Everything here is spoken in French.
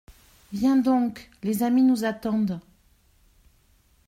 Viens donc, les amis nous attendent.